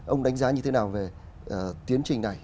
ông đánh giá như thế nào về tiến trình này